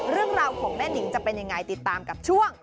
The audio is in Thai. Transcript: เรื่องราวของแม่นิงจะเป็นยังไงติดตามกับช่วง